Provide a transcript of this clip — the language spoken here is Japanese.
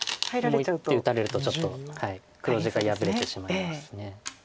もう一手打たれるとちょっと黒地が破れてしまいます。